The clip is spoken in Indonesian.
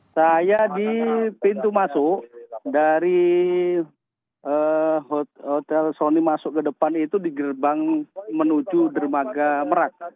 saya di pintu masuk dari hotel sony masuk ke depan itu di gerbang menuju dermaga merak